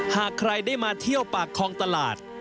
หากใครได้มาเที่ยวปากคลองตลาด